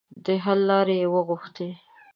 د حل لارې یې وغوښتې.